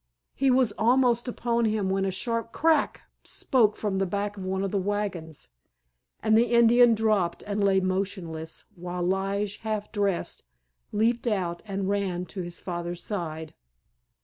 He was almost upon him when a sharp "crack" spoke from the back of one of the wagons, and the Indian dropped and lay motionless, while Lige, half dressed, leaped out and ran to his father's side.